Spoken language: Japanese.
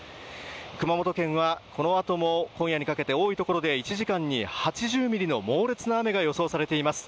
熊本県はこのあとも今夜にかけて多いところで１時間に８０ミリの猛烈な雨が予想されています。